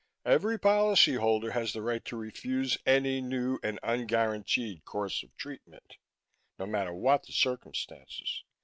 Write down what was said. _ Every policyholder has the right to refuse any new and unguaranteed course of treatment, no matter what the circumstances.